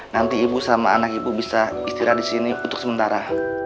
nanti ibu sama anak ibu bisa istirahat di sini untuk sementara